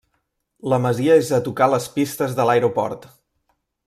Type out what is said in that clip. La masia és a tocar les pistes de l'aeroport.